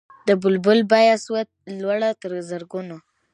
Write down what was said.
د بلبل بیه سوه لوړه تر زرګونو